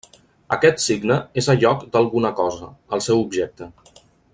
Aquest signe és a lloc d'alguna cosa, el seu objecte.